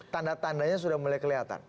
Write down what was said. tanda tandanya sudah mulai kelihatan